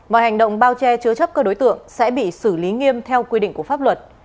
mọi hành động bao che chứa chấp các đối tượng sẽ bị xử lý nghiêm theo quy định của pháp luật